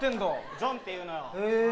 ジョンっていうのよ